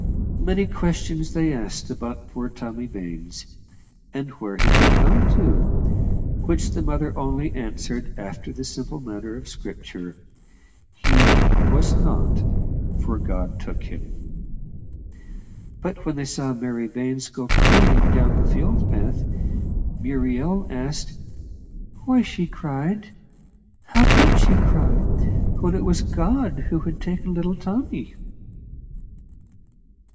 Many questions they asked about poor Tommy Baines, and where he had gone to, which the mother only answered after the simple manner of Scripture he "was not, for God took him." But when they saw Mary Baines go crying down the field path, Muriel asked "why she cried? how could she cry, when it was God who had taken little Tommy?"